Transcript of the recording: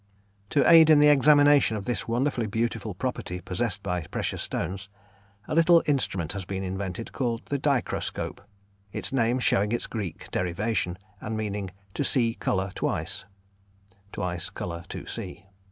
To aid in the examination of this wonderfully beautiful property possessed by precious stones, a little instrument has been invented called the dichroscope, its name showing its Greek derivation, and meaning "to see colour twice" (twice, colour, to see).